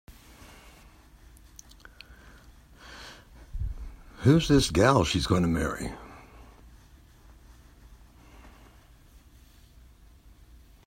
Who's this gal she's gonna marry?